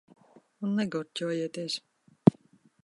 Un negurķojieties.